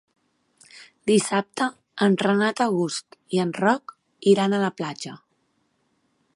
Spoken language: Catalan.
Dissabte en Renat August i en Roc iran a la platja.